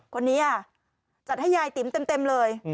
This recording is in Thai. คนนี้จัดให้ยายติ๋มเต็มเลย